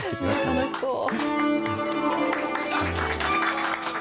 楽しそう。